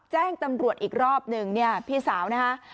แจ้งตำรวจอีกรอบหนึ่งเนี่ยพี่สาวนะคะ